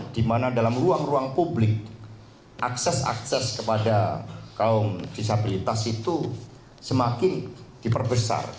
di mana dalam ruang ruang publik akses akses kepada kaum disabilitas itu semakin diperbesar